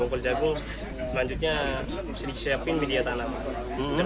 bongkol jagung selanjutnya disiapkan media tanaman